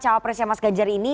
cawa presiden mas gajar ini